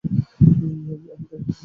আমি তার কাছে যাবোই!